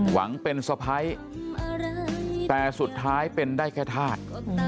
หวังเป็นสะพ้ายแต่สุดท้ายเป็นได้แค่ธาตุ